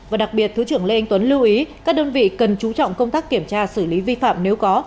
và đặc biệt thứ trưởng lê anh tuấn lưu ý các đơn vị cần chú trọng công tác kiểm tra xử lý vi phạm nếu có